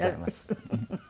フフフフ！